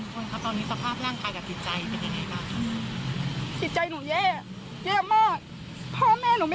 คุณพลครับตอนนี้ประภาพร่างคายกับจิตใจเป็นยังไงบ้าง